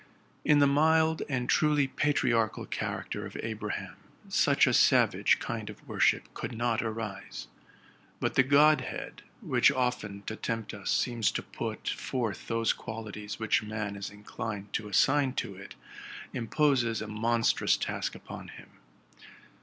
In the mild and truly patriarchal character of Abraham, such a savage kind of worship could not arise; but the God head,' which often, to tempt us, seems to put forth those qualities which man is inclined to assign to it, imposes a monstrous task upon him.